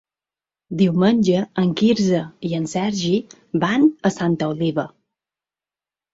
Diumenge en Quirze i en Sergi van a Santa Oliva.